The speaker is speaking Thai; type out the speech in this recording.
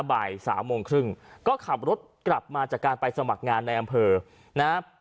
บ่ายสามโมงครึ่งก็ขับรถกลับมาจากการไปสมัครงานในอำเภอนะฮะ